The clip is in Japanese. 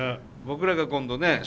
僕らが今度ね